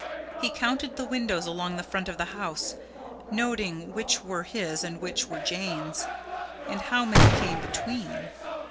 He counted the windows along the front of the house, noting which were his and which were Jane's, and how many came between.